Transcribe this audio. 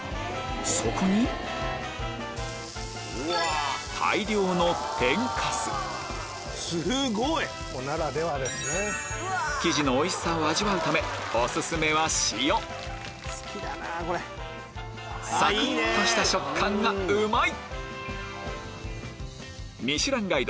そこに大量の生地のおいしさを味わうためオススメは塩さくっとした食感がうまい！